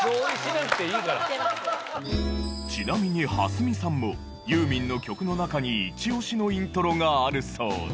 ちなみに蓮見さんもユーミンの曲の中にイチオシのイントロがあるそうで。